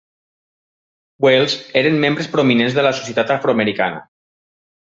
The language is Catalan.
Wells, eren membres prominents de la societat afroamericana.